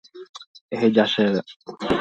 Eheja chéve.